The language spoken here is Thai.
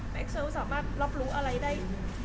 แม็กเซลสามารถรับรู้อะไรได้